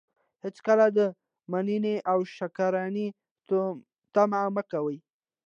هېڅکله د منني او شکرانې طمعه مه کوئ!